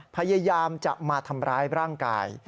พยายามจะมาทำร้ายร่างกาย